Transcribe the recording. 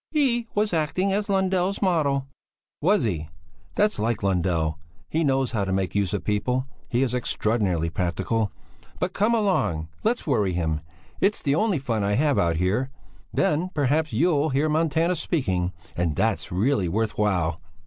"He was acting as Lundell's model." "Was he? That's like Lundell! He knows how to make use of people; he is extraordinarily practical. But come along, let's worry him; it's the only fun I have out here. Then, perhaps, you'll hear Montanus speaking, and that's really worth while."